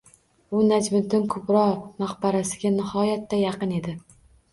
U Najmiddin Kubro maqbarasiga nihoyatda yaqin edi